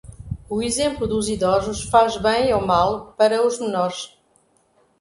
O exemplo dos idosos faz bem ou mal para os menores.